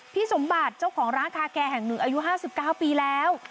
พี่สมบัติเจ้าของร้านคาแก่แห่งหนึ่งอายุ๕๙ปีแล้ว